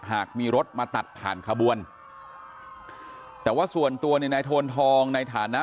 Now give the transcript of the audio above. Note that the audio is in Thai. หากมีรถมาตัดผ่านขบวนแต่ว่าส่วนตัวเนี่ยนายโทนทองในฐานะ